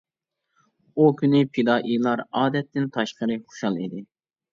ئۇ كۈنى پىدائىيلار ئادەتتىن تاشقىرى خۇشال ئىدى.